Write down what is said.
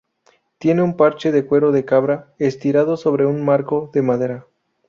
Tiene un parche de cuero de cabra estirado sobre un marco de madera.